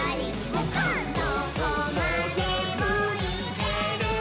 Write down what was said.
「どこまでもいけるぞ！」